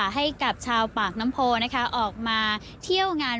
ให้กับชาวปากน้ำโพนะคะออกมาเที่ยวงาน